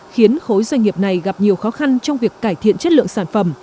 khiến khối doanh nghiệp này gặp nhiều khó khăn trong việc cải thiện chất lượng sản phẩm